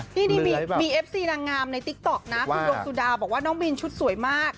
นี่มีเอฟซีนางงามในติ๊กต๊อกนะคุณดวงสุดาบอกว่าน้องบินชุดสวยมาก